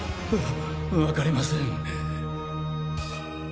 わわかりません。